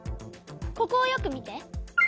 ここをよく見て。